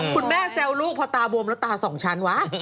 แซวลูกพอตาบวมแล้วตาสองชั้นวะ